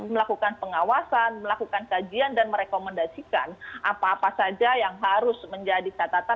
melakukan pengawasan melakukan kajian dan merekomendasikan apa apa saja yang harus menjadi catatan